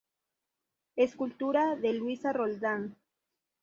Escultura de Luisa Roldán.